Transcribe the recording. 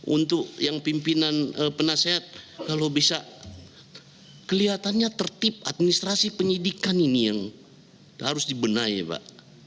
untuk yang pimpinan penasehat kalau bisa kelihatannya tertib administrasi penyidikan ini yang harus dibenahi pak